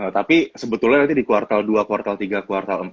tapi sebetulnya nanti di kuartal dua kuartal tiga kuartal empat